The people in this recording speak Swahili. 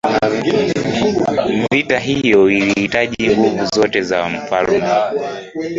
vita hiyo ilihitaji nguvu zote za mfalme